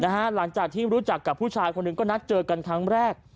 หลังจากที่รู้จักกับผู้ชายคนหนึ่งก็นัดเจอกันครั้งแรก